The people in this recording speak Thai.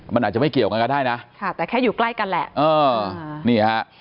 มันอาจจะไม่เกี่ยวกันก็ได้นะค่ะแต่แค่อยู่ใกล้กันแหละเออนี่ฮะ